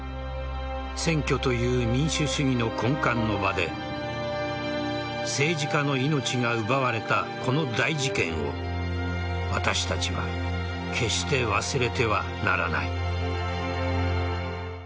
選挙という民主主義の根幹の場で政治家の命が奪われたこの大事件を私たちは決して忘れてはならない。